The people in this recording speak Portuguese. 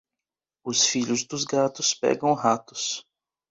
Os filhos dos gatos pegam ratos.